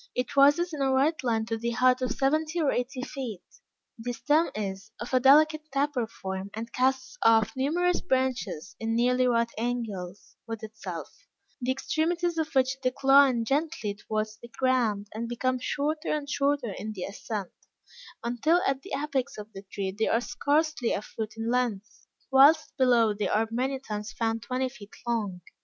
It rises in a right line to the height of seventy or eighty feet; the stem is of a delicate taper form and casts off numerous branches, in nearly right angles with itself; the extremities of which decline gently towards the ground, and become shorter and shorter in the ascent, until at the apex of the tree they are scarcely a foot in length, whilst below they are many times found twenty feet long.